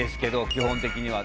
基本的には。